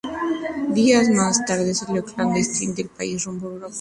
Días más tarde salió clandestinamente del país rumbo a Europa.